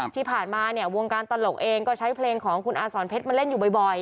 ที่ผ่านมาเนี่ยวงการตลกเองก็ใช้เพลงของคุณอาสอนเพชรมาเล่นอยู่บ่อย